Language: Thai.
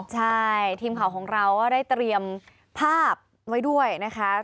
ใช่ทีมข่าวของเราก็ได้เตรียมภาพไว้ด้วยนะคะ